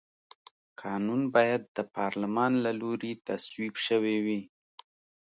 قانون باید د پارلمان له لوري تصویب شوی وي.